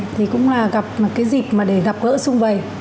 thì cũng là gặp một cái dịp mà để gặp gỡ xuân về